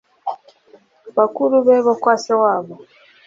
bakuru be bo kwa se wa bo